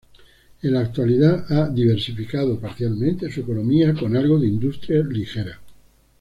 En la actualidad ha diversificado parcialmente su economía con algo de industria ligera.